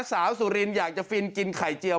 สุรินอยากจะฟินกินไข่เจียว